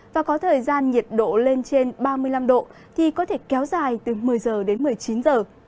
và có thời gian nhiệt độ lên trên ba mươi năm độ thì có thể kéo dài từ một mươi giờ đến một mươi chín giờ